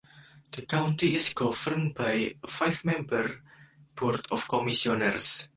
The county is governed by a five-member Board of Commissioners.